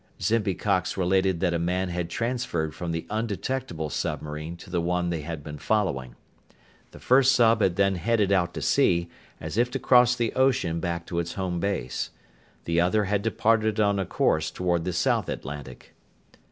Zimby Cox related that a man had transferred from the undetectable submarine to the one they had been following. The first sub had then headed out to sea, as if to cross the ocean back to its home base. The other had departed on a course toward the South Atlantic.